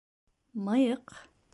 Мыйыҡ